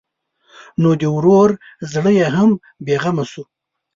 نو د ورور زړه یې هم بېغمه شو.